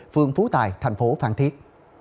phương phú tài thành phố phan thiết